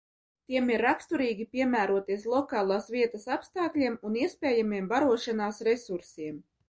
Tiem ir raksturīgi piemēroties lokālās vietas apstākļiem un iespējamiem barošanās resursiem.